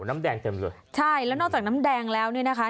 น้ำแดงเต็มเลยใช่แล้วนอกจากน้ำแดงแล้วเนี่ยนะคะ